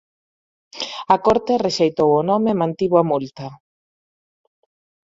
A corte rexeitou o nome e mantivo a multa.